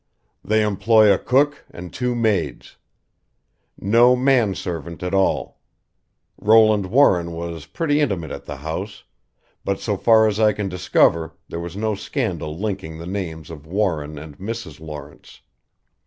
"They employ a cook and two maids. No man servant at all. Roland Warren was pretty intimate at the house, but so far as I can discover there was no scandal linking the names of Warren and Mrs. Lawrence.